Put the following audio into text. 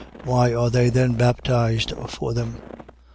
Why are they then baptized for them?